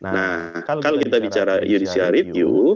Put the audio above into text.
nah kalau kita bicara judicial review